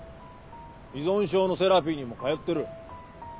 依存症のセラピーにも通ってる。